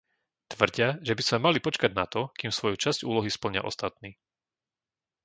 Tvrdia, že by sme mali počkať na to, kým svoju časť úlohy splnia ostatní.